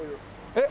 えっ？